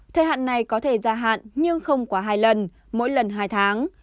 thời hạn này có thể gia hạn nhưng không quá hai lần mỗi lần hai tháng